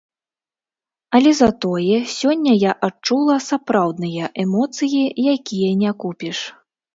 Але затое сёння я адчула сапраўдныя эмоцыі, якія не купіш.